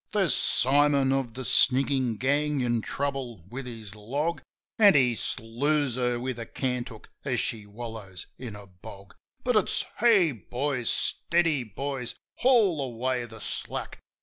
There's Simon, of the sniggin' gang, in trouble with his log, An' he slews her with a cant hook as she wallows in a bog. But it's : Hey, boys ! Steady, boys! Haul away the slack!